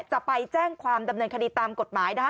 จะไปแจ้งความดำเนินคดีตามกฎหมายนะคะ